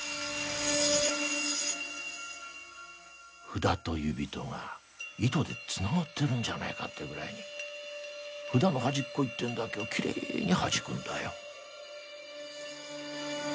札と指とが糸でつながってるんじゃねえかっていうぐらいに札のはじっこ一点だけをキレイにはじくんだよ。